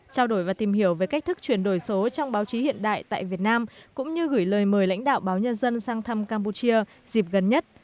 trao đổi và tìm hiểu về cách thức chuyển đổi số trong báo chí hiện đại tại việt nam cũng như gửi lời mời lãnh đạo báo nhân dân sang thăm campuchia dịp gần nhất